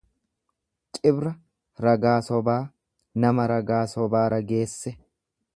Cibra ragaa sobaa, nama ragaa sobaa rageesse.